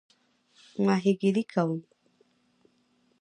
ماهیګیري کوم؟